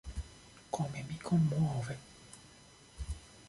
Come mi commuove!